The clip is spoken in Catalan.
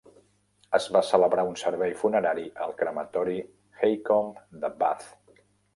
Es va celebrar un servei funerari al crematori Haycombe de Bath.